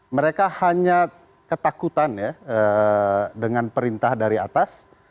mereka hanya ketakutan ya dengan perintah dari atas